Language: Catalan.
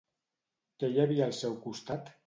Què hi havia al seu costat?